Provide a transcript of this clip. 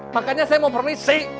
makanya saya mau permisi